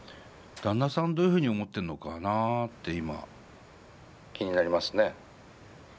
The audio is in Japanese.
旦那さんどういうふうに思ってるのかなって今気になりますね。